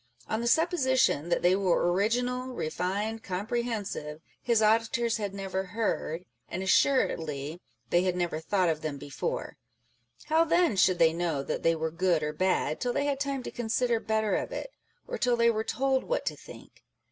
On the supposi tion that they were original, refined, comprehensive, his auditors had never heard, and assuredly they had never thought of them before : how then should they know that they were good or bad, till they had time to consider better of it, or till they were told what to think